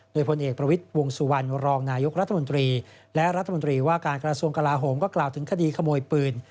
โดยพลเอกประวิทย์วงสุวรรณรองนายกรัฐมนตรีและรัฐมนตรีว่าการกระทรวงกลาโหมก็กล่าวถึงคดีขโมยปืน